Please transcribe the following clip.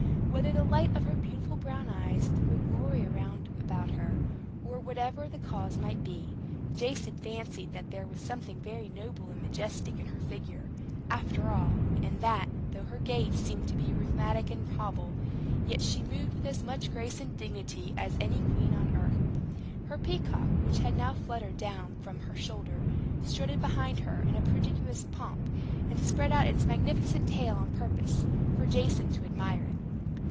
Whether the light of her beautiful brown eyes threw a glory round about her, or whatever the cause might be, Jason fancied that there was something very noble and majestic in her figure, after all, and that, though her gait seemed to be a rheumatic hobble, yet she moved with as much grace and dignity as any queen on earth. Her peacock, which had now fluttered down from her shoulder, strutted behind her in a prodigious pomp, and spread out its magnificent tail on purpose for Jason to admire it.